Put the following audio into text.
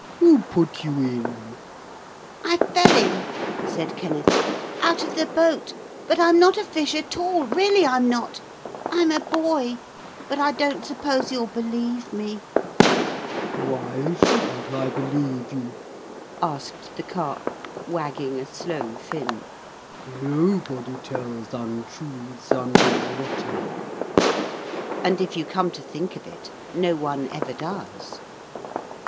Who put you in?' 'I fell in,' said Kenneth, 'out of the boat, but I'm not a fish at all, really I'm not. I'm a boy, but I don't suppose you'll believe me.' 'Why shouldn't I believe you?' asked the Carp wagging a slow fin. 'Nobody tells untruths under water.' And if you come to think of it, no one ever does.